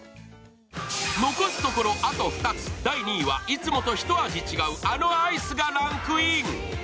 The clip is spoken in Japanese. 残すところあと２つ第２位はいつもとはひと味違うあのアイスがランクイン。